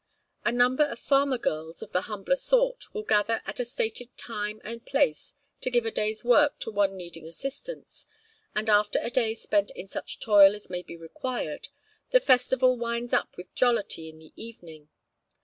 A number of farmer girls of the humbler sort will gather at a stated time and place to give a day's work to one needing assistance, and after a day spent in such toil as may be required, the festival winds up with jollity in the evening.